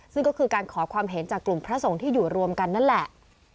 ซึ่งก็คือการขอความเห็นจากกลุ่มพระสงฆ์ที่อยู่รวมกันนั่นแหละ